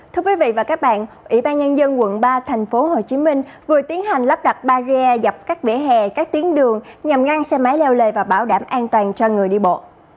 thưa quý vị và các bạn ủy ban nhân dân quận ba thành phố hồ chí minh vừa tiến hành lắp đặt ba ghe dọc các vỉa hè các tuyến đường nhằm ngăn xe máy leo lề và bảo đảm an toàn cho người đi bộ